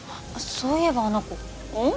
そういえばあの子うん？